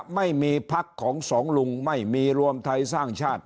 ไม่มีพักของสองลุงไม่มีรวมไทยสร้างชาติ